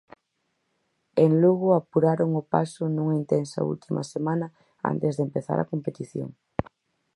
En Lugo apuraron o paso nunha intensa última semana antes de empezar a competición.